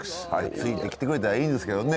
ついてきてくれたらいいですけどね。